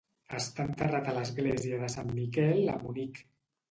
Està enterrat a l'església de Sant Miquel a Munic.